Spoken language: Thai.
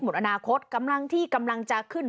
อนาคตกำลังที่กำลังจะขึ้น